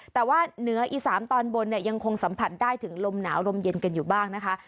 แต่ว่าเหนืออีสานตอนบนเนี่ยยังคงสัมผัสได้ถึงลมหนาวลมเย็นกันอยู่บ้างนะคะ